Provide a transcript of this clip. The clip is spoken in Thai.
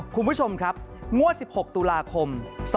คุณผู้ชมครับงวด๑๖ตุลาคม๒๕๖